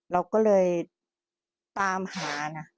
เราก็เลยตามหานะ